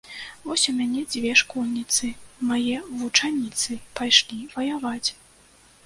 Вось, у мяне дзве школьніцы, мае вучаніцы, пайшлі ваяваць.